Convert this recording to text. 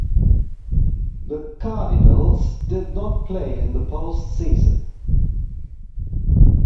The Cardinals did not play in the post season.